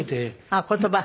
あっ言葉。